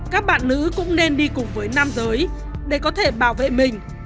các bạn nữ cũng nên đi cùng với nam giới để có thể bảo vệ mình